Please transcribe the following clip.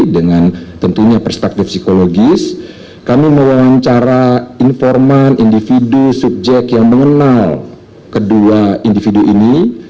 dengan tentunya perspektif psikologis kami mewawancara informan individu subjek yang mengenal kedua individu ini